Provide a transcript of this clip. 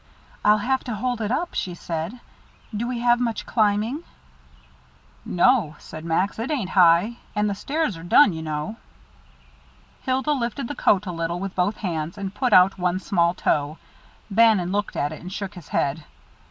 "I'll have to hold it up," she said. "Do we have much climbing?" "No," said Max, "it ain't high. And the stairs are done, you know." Hilda lifted the coat a little way with both hands, and put out one small toe. Bannon looked at it, and shook his head.